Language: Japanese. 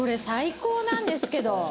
最高なんですけど。